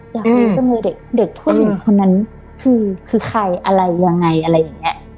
อยากรู้จังเลยเด็กผู้หญิงคนนั้นคือใครอะไรยังไงอะไรอย่างนี้